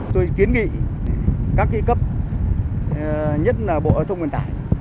tôi kiến nghị các cấp nhất là bộ thông nguyên tải